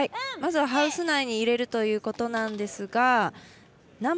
まずハウス内に入れるということですが。